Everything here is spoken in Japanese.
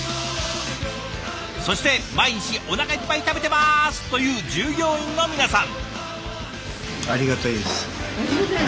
そして毎日おなかいっぱい食べてますという従業員の皆さん。